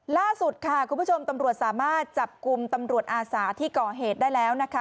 ล่าสุดค่ะคุณผู้ชมตำรวจสามารถจับกลุ่มตำรวจอาสาที่ก่อเหตุได้แล้วนะคะ